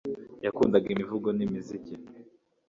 Yakundaga imivugo numuziki